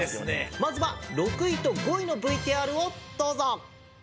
まずは６いと５いのＶＴＲをどうぞ！